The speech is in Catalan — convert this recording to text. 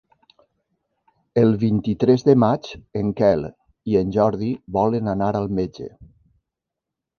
El vint-i-tres de maig en Quel i en Jordi volen anar al metge.